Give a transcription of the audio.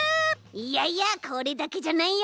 いやいやこれだけじゃないよ。